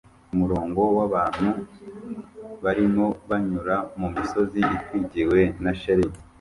Umurongo wabantu barimo banyura mumisozi itwikiriwe na shelegi